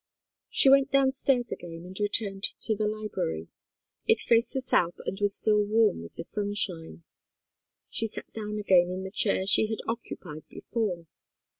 She went downstairs again and returned to the library. It faced the south and was still warm with the sunshine. She sat down again in the chair she had occupied before.